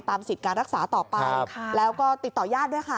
สิทธิ์การรักษาต่อไปแล้วก็ติดต่อยาดด้วยค่ะ